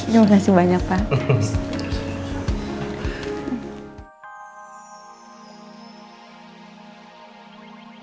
terima kasih banyak pak